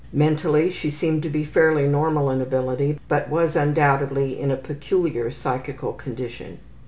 Mentally, she seemed to be fairly normal in ability, but was undoubtedly in a peculiar psychical condition.